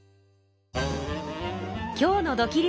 今日のドキリ★